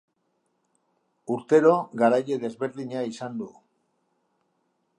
Urtero garaile desberdina izan du.